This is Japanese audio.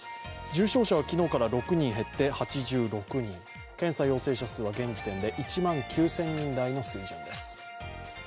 重症者は昨日から６人減って８６人検査陽性者数は現時点で１万９０００人台の数字です。